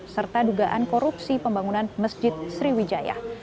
serta dugaan korupsi pembangunan masjid sriwijaya